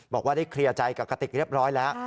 บอกว่าได้เคลียร์ใจกับกติกเรียบร้อยแล้ว